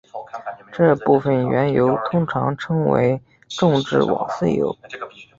这部分原油通常称为重质瓦斯油。